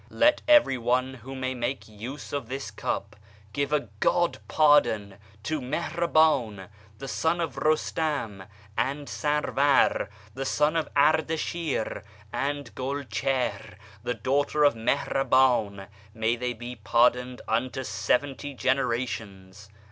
Let every one who may make use [of tliis cup] give a ' God pardon !' to Mihrabdn [the son] of Rustam, and Sarvar [the son] of Ardashir, anei Gulchihr [the daughter] of Mihraban : may they be par doned unto seventy generations!